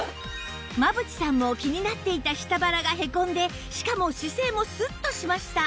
真渕さんも気になっていた下腹がへこんでしかも姿勢もスッとしました